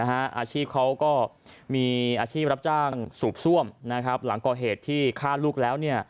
อาชีพเขาก็มีอาชีพรับจ้างสูบซ่วมหลังก่อเหตุที่ฆ่าลูกแล้ว